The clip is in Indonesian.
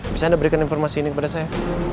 bisa anda berikan informasi ini kepada saya